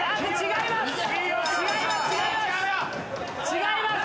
違います